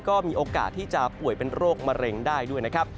ก็มีโอกาสที่จะป่วยเป็นโรคมะเร็งได้ด้วยนะครับ